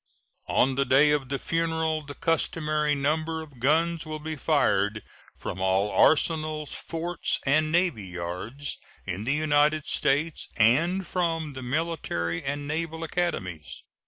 On the day of the funeral the customary number of guns will be fired from all arsenals, forts, and navy yards in the United States and from the Military and Naval Academies.